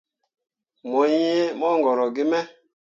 Mo yee mongoro gi me.